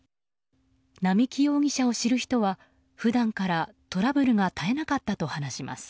並木容疑者を知る人は普段からトラブルが絶えなかったと話します。